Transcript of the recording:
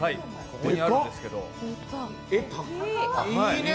ここにあるんですけど。